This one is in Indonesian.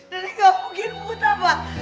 nenek gak mungkin buta pak